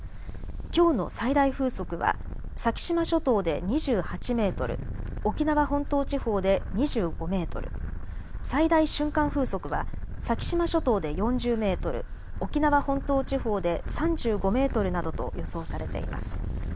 きょうの最大風速は先島諸島で２８メートル、沖縄本島地方で２５メートル、最大瞬間風速は先島諸島で４０メートル、沖縄本島地方で３５メートルなどと予想されています。